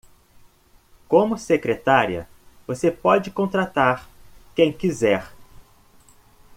Como secretária, você pode contratar quem quiser.